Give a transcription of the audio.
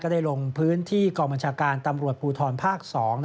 ได้ลงพื้นที่กองบัญชาการตำรวจภูทรภาค๒